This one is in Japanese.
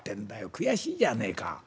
悔しいじゃねえか」。